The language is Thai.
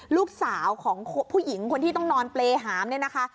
ลูกสาวของผู้หญิงคนที่ต้องนอนเปรยหามเนี่ยนะคะ